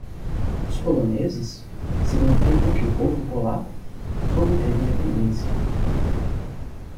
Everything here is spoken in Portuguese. Os poloneses? significam que o povo polaco? obteve independência.